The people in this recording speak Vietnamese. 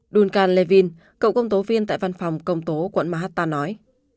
duncan levin cậu công tố viên tại văn phòng công tố quận mahatta nói